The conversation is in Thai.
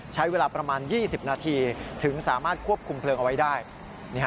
ใช้เวลาประมาณ๒๐นาทีถึงสามารถควบคุมเพลิงเอาไว้ได้